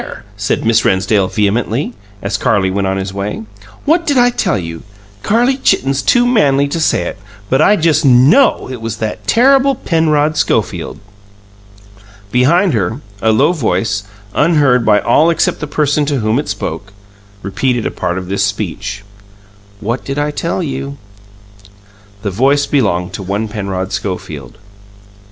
said Miss Rennsdale vehemently, as Carlie went on his way. "What did I tell you? Carlie Chitten's too manly to say it, but I just KNOW it was that terrible Penrod Schofield." Behind her, a low voice, unheard by all except the person to whom it spoke, repeated a part of this speech: "What did I tell you?" This voice belonged to one Penrod Schofield.